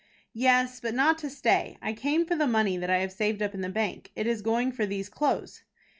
"Yes, but not to stay. I came for the money that I have saved up in the bank. It is going for these clothes."